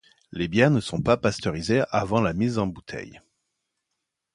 Les bières ne sont pas pasteurisées avant la mise en bouteille.